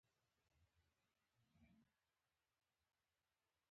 د خبرو زغم نه لري.